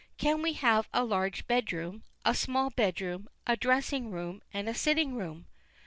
Can we have a large bed room, a small bed room, a dressing room and a sitting room?"